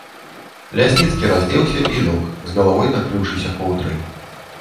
Лясніцкі раздзеўся і лёг, з галавой накрыўшыся коўдрай.